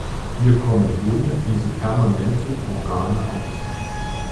Wir kommen ohne diese permanenten Organe aus.